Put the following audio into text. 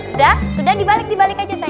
udah sudah dibalik dibalik aja saya